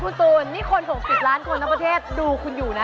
คุณตูนนี่คน๖๐ล้านคนทั้งประเทศดูคุณอยู่นะ